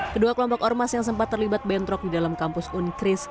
kedua kelompok ormas yang sempat terlibat bentrok di dalam kampus unkris